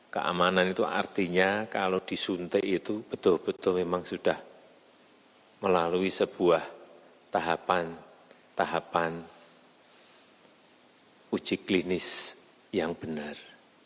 keamanan itu artinya kalau disuntik itu betul betul memang sudah melalui sebuah tahapan tahapan uji klinis yang benar